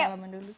kita salam dulu